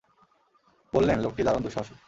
বললেন, লোকটি দারুণ দুঃসাহসী।